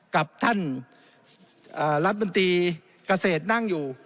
กับท่านรัฐมนตรีเกษตรนั่งอยู่